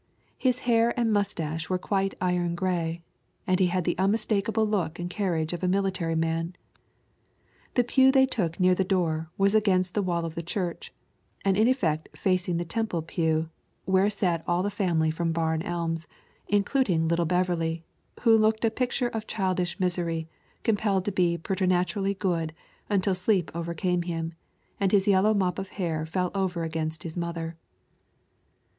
His hair and mustache were quite iron gray, and he had the unmistakable look and carriage of a military man. The pew they took near the door was against the wall of the church, and in effect facing the Temple pew, where sat all the family from Barn Elms, including little Beverley, who looked a picture of childish misery, compelled to be preternaturally good, until sleep overcame him, and his yellow mop of hair fell over against his mother.